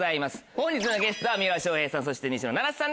本日のゲストは三浦翔平さんそして西野七瀬さんです。